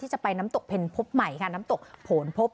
ที่จะไปน้ำตกเพลชพพอฟมัยคะน้ำตกฝนปฟพ